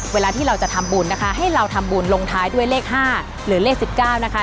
เวลาที่เราจะทำบุญนะคะให้เราทำบุญลงท้ายด้วยเลข๕หรือเลข๑๙นะคะ